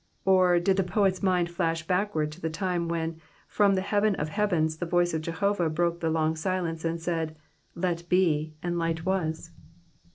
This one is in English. Or, did the poet^s mind flash backward to the time wherf from the heaven of heavens the voice of Jehovah broke the long silence and said, Light be," and light was.